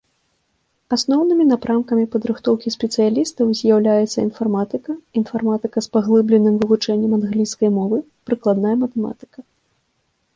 Асноўнымі напрамкамі падрыхтоўкі спецыялістаў з'яўляецца інфарматыка, інфарматыка з паглыбленым вывучэннем англійскай мовы, прыкладная матэматыка.